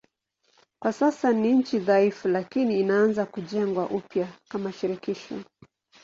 Kwa sasa ni nchi dhaifu lakini inaanza kujengwa upya kama shirikisho.